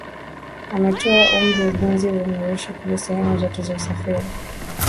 ametoa amri ulinzi uimarishwe kwenye sehemu zote za usafiri